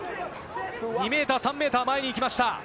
２ｍ、３ｍ、前に行きました。